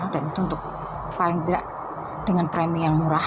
dan itu untuk paling tidak dengan premi yang murah